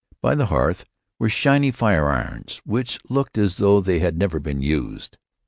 By the hearth were shiny fire irons which looked as though they had never been used.